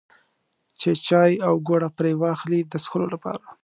چې چای او ګوړه پرې واخلي د څښلو لپاره.